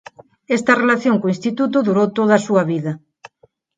Esta relación co Instituto durou toda a súa vida.